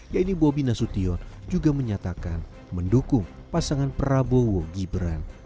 yaitu bobi nasution juga menyatakan mendukung pasangan prabowo gibran